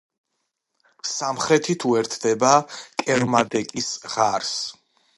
სამხრეთით უერთდება კერმადეკის ღარს.